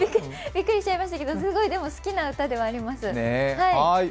びっくりしちゃいましたけど、すごく好きな歌ではあります。